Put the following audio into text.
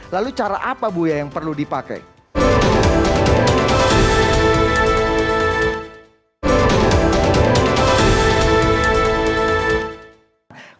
lalu cara apa bu ya yang perlu dipakai